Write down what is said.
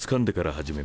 始め！